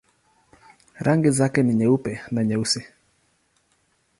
Rangi zake ni nyeupe na nyeusi.